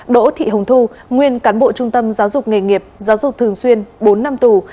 đỗ thị hồng thu nguyên cán bộ trung tâm giáo dục nghề nghiệp giáo dục thường xuyên bốn năm tù